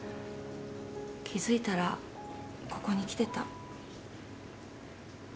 気づいたらここに来てた。